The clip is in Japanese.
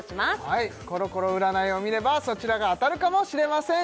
はいコロコロ占いを見ればそちらが当たるかもしれません